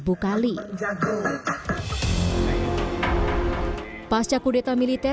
pasca kudeta militer yang dilakukan di jagadmaya